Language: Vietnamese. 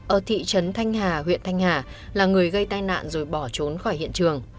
ở thị trấn thanh hà huyện thanh hà là người gây tai nạn rồi bỏ trốn khỏi hiện trường